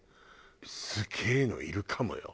すげえのいるかもよ